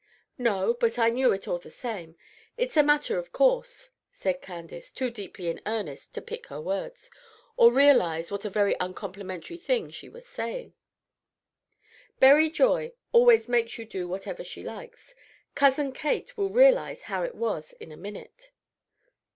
"No; but I knew it all the same. It's a matter of course," said Candace, too deeply in earnest to pick her words, or realize what a very uncomplimentary thing she was saying, "Berry Joy always makes you do whatever she likes. Cousin Kate will realize how it was in a minute."